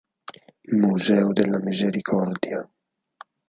Museo della Misericordia